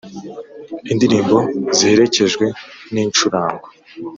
i nd i rimbo ziherekejwe n'i ncurango